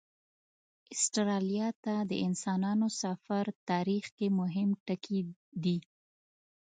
استرالیا ته د انسانانو سفر تاریخ کې مهم ټکی دی.